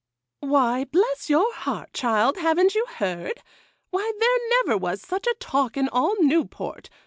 'Why, bless your heart, child, haven't you heard? Why, there never was such a talk in all Newport.